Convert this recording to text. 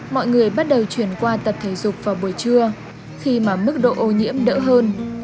mọi người bắt đầu chuyển qua tập thể dục vào buổi trưa khi mà mức độ ô nhiễm đỡ hơn